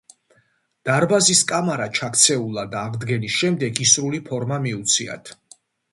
დარბაზის კამარა ჩაქცეულა და აღდგენის შემდეგ ისრული ფორმა მიუციათ.